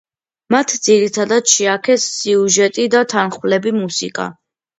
მათ ძირითადად შეაქეს სიუჟეტი და თანმხლები მუსიკა.